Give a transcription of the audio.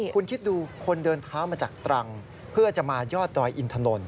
คุณคิดดูคนเดินเท้ามาจากตรังเพื่อจะมายอดดอยอินถนน